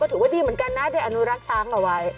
ถือว่าดีเหมือนกันนะได้อนุรักษ์ช้างเอาไว้